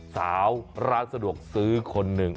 สาวร้านสะดวกซื้อคนหนึ่ง